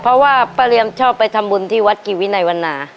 เพราะว่าป้าเรียมชอบไปทำบุญที่วัดกิจวินัยวันนา